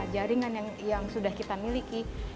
jaringan yang sudah kita miliki